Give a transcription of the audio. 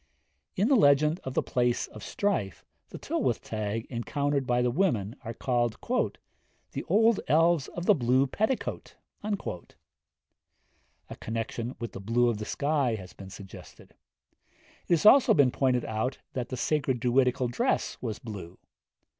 In the legend of the Place of Strife, the Tylwyth Teg encountered by the women are called 'the old elves of the blue petticoat.' A connection with the blue of the sky has here been suggested. It has also been pointed out that the sacred Druidical dress was blue.